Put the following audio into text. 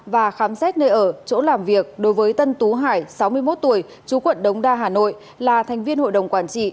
và khám xét nơi ở chỗ làm việc đối với tân tú hải sáu mươi một tuổi chú quận đống đa hà nội là thành viên hội đồng quản trị